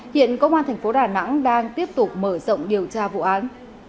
hiện công an thành phố đà nẵng đang tiếp tục mở rộng điều tra vụ án